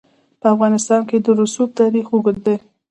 په افغانستان کې د رسوب تاریخ اوږد دی.